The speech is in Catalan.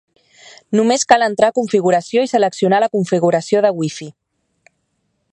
Només cal entrar a configuració i seleccionar la configuració de Wi-Fi.